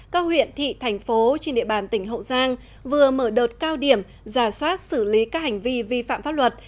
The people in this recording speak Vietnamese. các huyện thị thành phố trên địa bàn tỉnh hậu giang vừa mở đợt cao điểm giả soát xử lý các hành vi vi phạm pháp luật